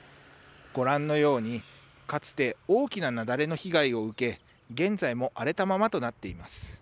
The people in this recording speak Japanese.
ご覧のように、かつて大きな雪崩の被害を受け、現在も荒れたままとなっています。